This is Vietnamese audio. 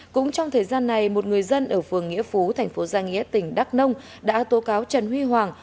cũng trong thời gian này một người dân ở phường nghĩa phú tp gia nghĩa tỉnh đắk nông đã tố cáo trần huy hoàng